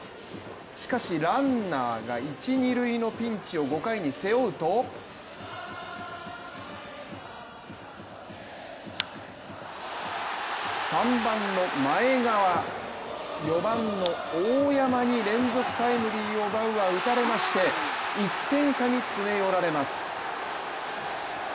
しかしランナーが一・二塁のピンチを５回に背負うと３番の前川、４番の大山に連続タイムリーをバウアー、打たれまして１点差に詰め寄られます。